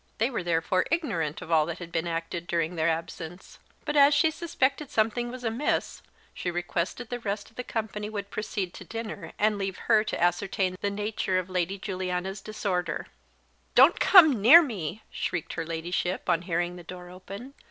They were therefore ignorant of all that had been acted during their absence; but as she suspected something was amiss, she requested the rest of the company would proceed to dinner, and leave her to ascertain the nature of Lady Juliana's disorder. "Don't come near me!" shrieked her Ladyship, on hearing the door open.